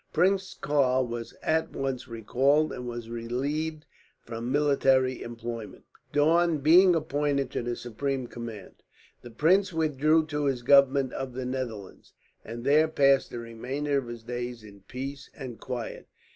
Prince Karl was at once recalled, and was relieved from military employment, Daun being appointed to the supreme command. The Prince withdrew to his government of the Netherlands, and there passed the remainder of his days in peace and quiet.